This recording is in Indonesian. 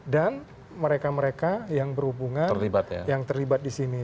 dan mereka mereka yang berhubungan yang terlibat di sini